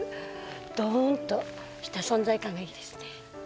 どんとした存在感がいいですね。